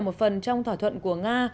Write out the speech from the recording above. một phần trong thỏa thuận của nga